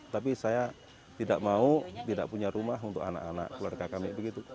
tapi saya tidak mau tidak punya rumah untuk anak anak keluarga kami begitu